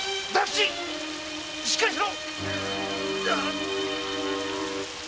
しっかりしろ！